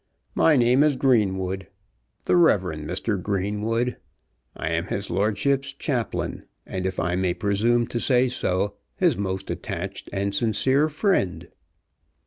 My name is Greenwood; the Rev. Mr. Greenwood. I am his lordship's chaplain, and, if I may presume to say so, his most attached and sincere friend.